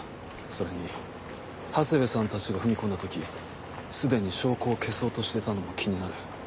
それに長谷部さんたちが踏み込んだ時既に証拠を消そうとしてたのも気になる。